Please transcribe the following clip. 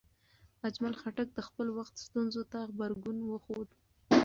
اجمل خټک د خپل وخت ستونزو ته غبرګون وښود.